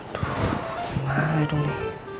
aduh gimana dong ren